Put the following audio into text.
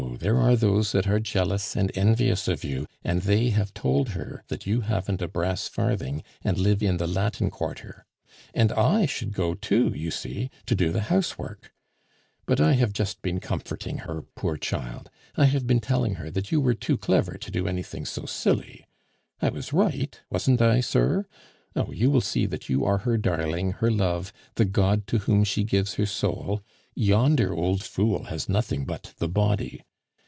there are those that are jealous and envious of you, and they have told her that you haven't a brass farthing, and live in the Latin Quarter; and I should go, too, you see, to do the house work. But I have just been comforting her, poor child! I have been telling her that you were too clever to do anything so silly. I was right, wasn't I, sir? Oh! you will see that you are her darling, her love, the god to whom she gives her soul; yonder old fool has nothing but the body.